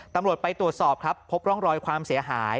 ตำรวจไปตรวจสอบครับพบร่องรอยความเสียหาย